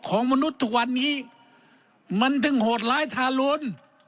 ของมนุษย์ทุกวันนี้มันถึงโหดร้ายทานล้วน